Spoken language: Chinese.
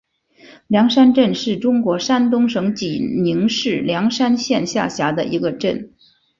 梁山镇是中国山东省济宁市梁山县下辖的一个镇。